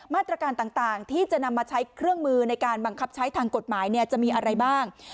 มาตรการต่างที่จะนำมาใช้เครื่องมือในการบังคับใช้ทางกฎหมายจะมีอะไรบ้าง